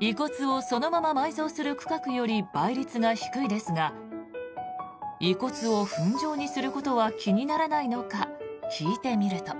遺骨をそのまま埋葬する区画より倍率が低いですが遺骨を粉状にすることは気にならないのか聞いてみると。